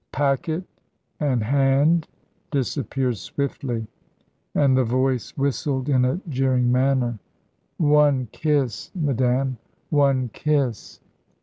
Packet and hand disappeared swiftly, and the voice whistled in a jeering manner. "One kiss, madame, one kiss."